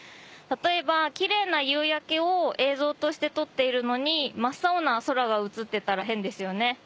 例えばキレイな夕焼けを映像として撮っているのに真っ青な空が映ってたら変ですよね。